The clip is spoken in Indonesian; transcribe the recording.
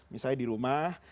misalnya di rumah